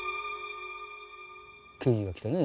刑事が来てね。